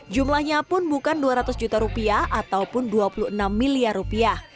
jumlahnya pun bukan dua ratus juta rupiah ataupun dua puluh enam miliar rupiah